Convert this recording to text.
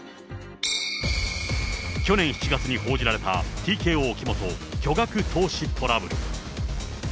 去年７月に報じられたＴＫＯ・木本、巨額投資トラブル。